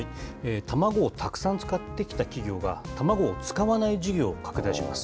卵をたくさん使ってきた企業が卵を使わない事業を拡大します。